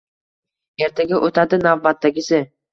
Ertaga o’tadi navbatdagisi